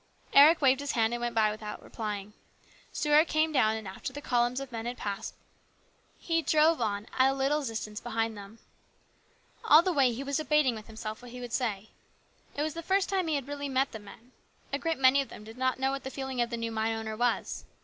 Eric waved his hand and went by without replying. Stuart came down, and after the columns of men had passed, he drove along at a little distance behind them. All the way he was debating with himself what he would say. It was the first time he had really met the men. A great many of them did not know what the feeling of the new mine owner was.